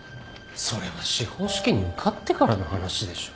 それは司法試験に受かってからの話でしょう。